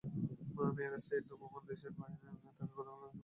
Mayor Sayeed Khokon দেশের বাইরে থাকায় গতকাল তাঁর সঙ্গে কথা বলা সম্ভব হয়নি।